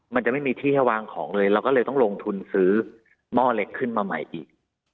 มันจะไม่มีที่ให้วางของเลยเราก็เลยต้องลงทุนซื้อหม้อเล็กขึ้นมาใหม่อีก